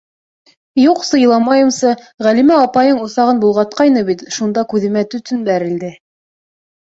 — Юҡсы, иламайымсы, Ғәлимә апайың усағын болғатҡайны бит, шунда күҙемә төтөн бәрелде...